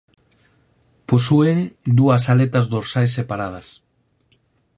Posúen dúas aletas dorsais separadas.